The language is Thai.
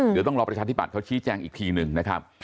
เดี๋ยวต้องรอประชาธิบัตย์เขาชี้แจงอีกทีหนึ่งนะครับ